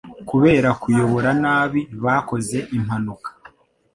kubera kuyobora nabi bakoze impanuka